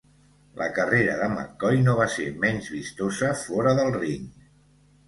La carrera de McCoy no va ser menys vistosa fora del ring.